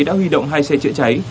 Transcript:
đã huy động hai xe chữa cháy